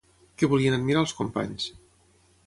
Què volien admirar els companys?